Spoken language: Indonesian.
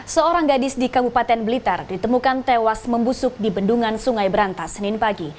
seorang gadis di kabupaten blitar ditemukan tewas membusuk di bendungan sungai berantas senin pagi